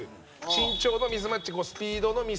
身長のミスマッチスピードのミスマッチ。